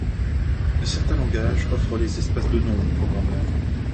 Certains langages offrent les espaces de nom au programmeur.